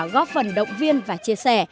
góp phần động viên và chia sẻ